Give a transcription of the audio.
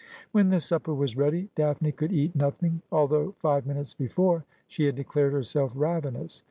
When the supper was ready, Daphne could eat nothing 24 Asphodel. although five minutes before she had declared herself ravenous.